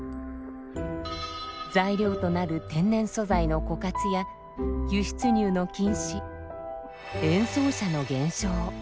材料となる天然素材の枯渇や輸出入の禁止演奏者の減少。